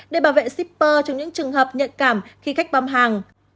để bảo vệ zipper trong những trường hợp nhận cảm khi khách băm hàng